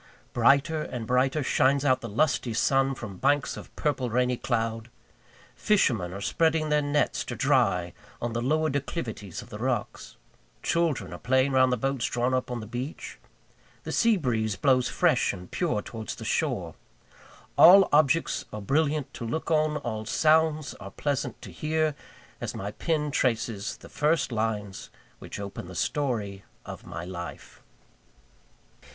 Brighter and brighter shines out the lusty sun from banks of purple, rainy cloud; fishermen are spreading their nets to dry on the lower declivities of the rocks; children are playing round the boats drawn up on the beach; the sea breeze blows fresh and pure towards the shore all objects are brilliant to look on, all sounds are pleasant to hear, as my pen traces the first lines which open the story of my life.